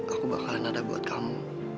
aku bakalan nada buat kamu